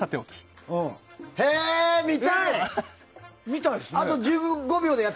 見たい！